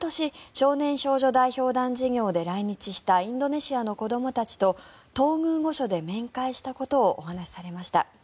少年少女代表団事業で来日したインドネシアの子どもたちと東宮御所で面会したことをお話されました。